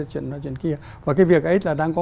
chuyện kia và cái việc ấy là đang có